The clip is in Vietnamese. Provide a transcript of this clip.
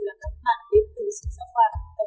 là các mạng đến từ sở giáo dục và đào tạo tp hcm